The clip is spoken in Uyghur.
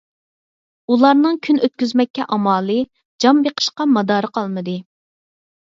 ئۇلارنىڭ كۈن ئۆتكۈزمەككە ئامالى، جان بېقىشقا مادارى قالمىدى.